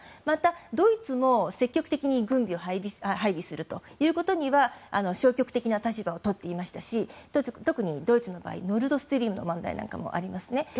また、ドイツも積極的に軍備を配備するということには消極的な立場を取っていましたし特にドイツはノルド・ストリームの問題なんかもありますね。